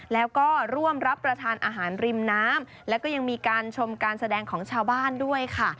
แล้วก็ร่วมรับประทานอาหารริมน้ำแล้วก็ยังมีการชมการแสดงของชาวบ้านด้วยค่ะ